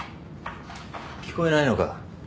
聞こえないのか？